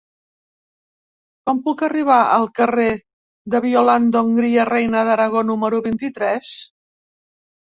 Com puc arribar al carrer de Violant d'Hongria Reina d'Aragó número vint-i-tres?